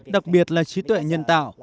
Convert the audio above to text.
đặc biệt là trí tuệ nhân tạo